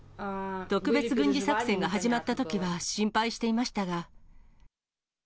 特別軍事作戦が始まったときは心配していましたが。